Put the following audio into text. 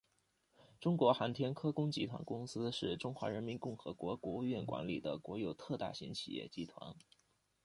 中国航天科工集团公司是中华人民共和国国务院管理的国有特大型企业集团。